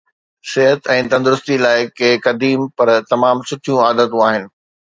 صحت ۽ تندرستي لاءِ ڪي قديم پر تمام سٺيون عادتون آهن